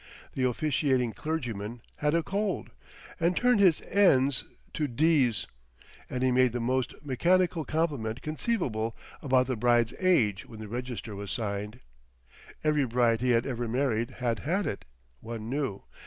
The officiating clergyman had a cold, and turned his "n's" to "d's," and he made the most mechanical compliment conceivable about the bride's age when the register was signed. Every bride he had ever married had had it, one knew.